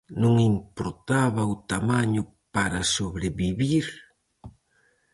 Non importaba o tamaño para sobrevivir?